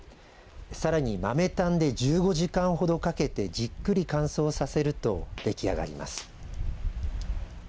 さらに豆炭で１５時間ほどかけてじっくり乾燥させるとでき上がります。